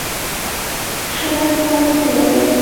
شګه کارېدلې ده.